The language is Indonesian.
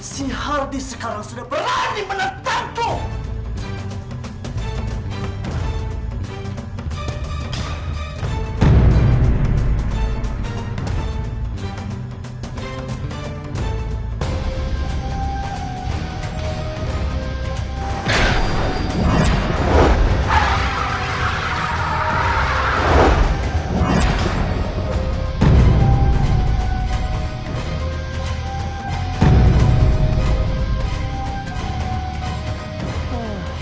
si hardy sekarang sudah berani menentangku